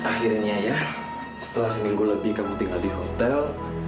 akhirnya ya setelah seminggu lebih kamu tinggal di hotel